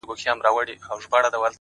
• هغه ځای چي تا یې کړي دي نکلونه ,